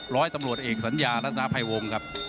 ร้อยตำรวจเอกสัญญารัฐนาภัยวงครับ